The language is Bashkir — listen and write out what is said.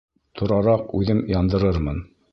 Торараҡ үҙем яндырырмын.